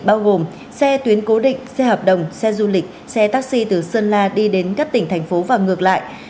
bao gồm xe tuyến cố định xe hợp đồng xe du lịch xe taxi từ sơn la đi đến các tỉnh thành phố và ngược lại